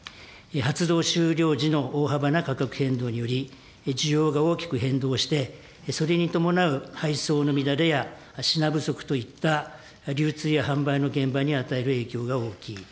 発動終了時の大幅な価格変動により、需要が大きく変動して、それに伴う配送の乱れや品不足といった流通や販売の現場に与える影響が大きい。